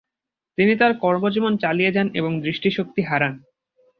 তিনি তার কর্মজীবন চালিয়ে যান এবং দৃষ্টিশক্তি হারান।